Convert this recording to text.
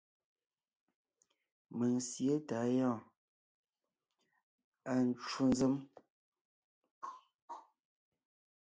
Mèŋ sǐe tà á gyɔ́ɔn; À ncwò nzèm.